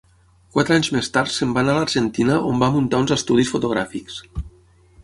Quatre anys més tard se'n va anar a l'Argentina on va muntar uns estudis fotogràfics.